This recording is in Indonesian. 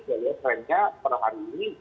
yang lainnya perang hari ini justru mulai menurun